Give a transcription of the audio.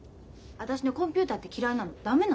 私ねコンピューターって嫌いなの駄目なの。